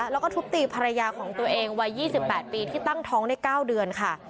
แล้วก็ทุบตีภรรยาของตัวเองวัย๒๘ปีที่ตั้งท้องได้๙เดือนค่ะ